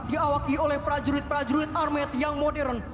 diawaki oleh prajurit prajurit armet yang modern